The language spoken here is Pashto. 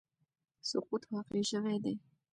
سقوط واقع شوی دی